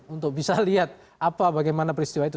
untuk bisa lihat apa bagaimana peristiwa itu